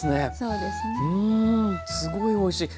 うんすごいおいしい。